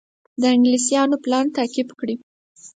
د انګلیسیانو پلان تعقیب کړي.